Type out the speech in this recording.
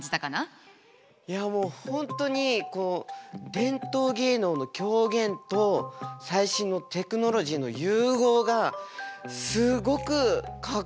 いやもう本当に伝統芸能の狂言と最新のテクノロジーの融合がすごくかっこよかったですね。